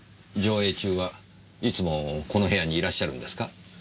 上映中はいつもこの部屋にいらっしゃるんですか？